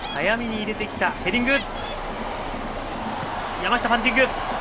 山下、パンチング！